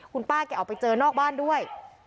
คุณป้าแกออกไปเจอนอกบ้านด้วย